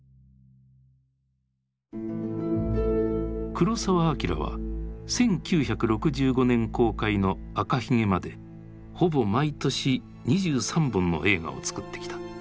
黒澤明は１９６５年公開の「赤ひげ」までほぼ毎年２３本の映画を作ってきた。